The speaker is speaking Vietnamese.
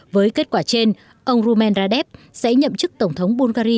với kết quả trên ông zuman zadev sẽ nhậm chức tổng thống bulgari